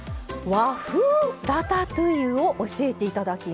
和風ラタトゥイユを教えていただきます。